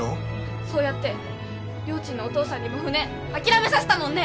そうやってりょーちんのお父さんにも船諦めさせたもんね！